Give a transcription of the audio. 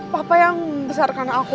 papa yang membesarkan aku